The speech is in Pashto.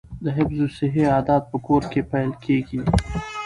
د حفظ الصحې عادات په کور کې پیل کیږي.